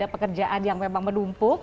pekerjaan yang memang menumpuk